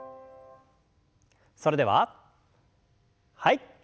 それでははい。